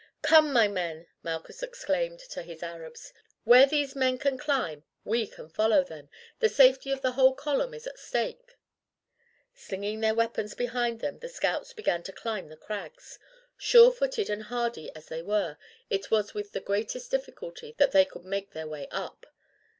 "Come, my men," Malchus exclaimed to his Arabs, "where these men can climb we can follow them; the safety of the whole column is at stake." Slinging their weapons behind them the scouts began to climb the crags. Sure footed and hardy as they were, it was with the greatest difficulty that they could make their way up.